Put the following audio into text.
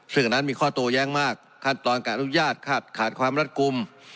ซึ่งอย่างนั้นมีข้อโตแย้งมากขาดตอนการลูกญาติขาดขาดความรัดกลุ่ม